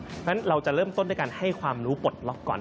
เพราะฉะนั้นเราจะเริ่มต้นด้วยการให้ความรู้ปลดล็อกก่อน